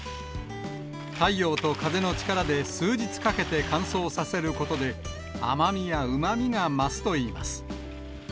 太陽と風の力で数日かけて乾燥させることで、甘みやうまみが増すといいます。